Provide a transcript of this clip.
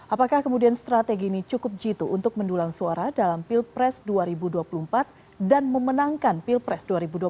apakah kemudian strategi ini cukup jitu untuk mendulang suara dalam pilpres dua ribu dua puluh empat dan memenangkan pilpres dua ribu dua puluh